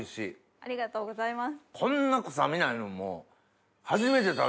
ありがとうございます。